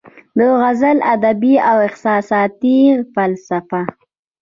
د غزل ادبي او احساساتي فلسفه